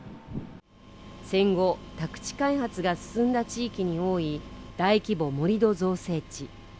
戦後宅地開発が進んだ地域に多い大規模盛り土造成地